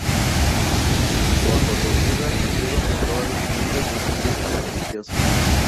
Bajo tortura, Diego nombró a los miembros de su círculo religioso.